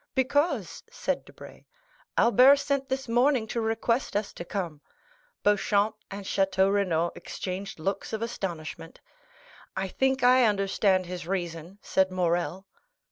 "Because," said Debray, "Albert sent this morning to request us to come." Beauchamp and Château Renaud exchanged looks of astonishment. "I think I understand his reason," said Morrel.